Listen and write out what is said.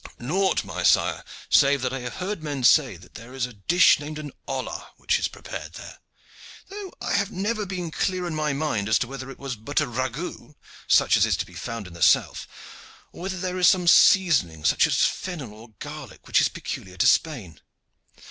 "Nought, my sire, save that I have heard men say that there is a dish named an olla which is prepared there, though I have never been clear in my mind as to whether it was but a ragout such as is to be found in the south, or whether there is some seasoning such as fennel or garlic which is peculiar to Spain."